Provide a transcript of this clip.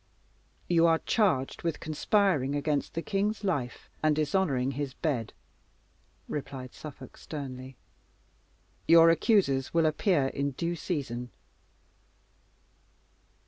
"You are charged with conspiring against the king's life, and dishonouring his bed," replied Suffolk sternly. "Your accusers will appear in due season."